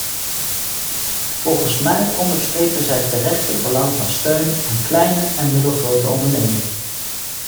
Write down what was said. Volgens mij onderstrepen zij terecht het belang van steun aan kleine en middelgrote ondernemingen.